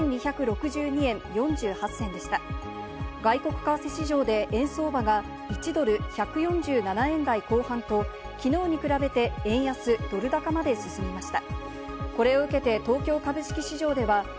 外国為替市場で円相場が１ドル＝１４７円台後半と、きのうに比べて円安ドル高まで進みました。